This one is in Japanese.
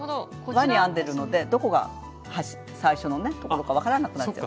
輪に編んでるのでどこが最初のところか分からなくなっちゃう。